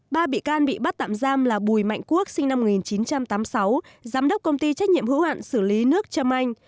ba bị can bị bắt tạm giam là bùi mạnh quốc sinh năm một nghìn chín trăm tám mươi sáu giám đốc công ty trách nhiệm hữu hạn xử lý nước trâm anh